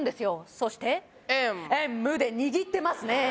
そしてＭ．Ｍで握ってますね